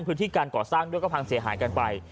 พื้นที่การก่อสร้างด้วยก็พังเสียหายกันไป